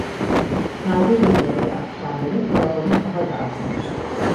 Tatil günleri ve akşamları kalabalık daha da artar.